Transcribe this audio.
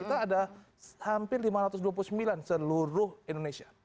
kita ada hampir lima ratus dua puluh sembilan seluruh indonesia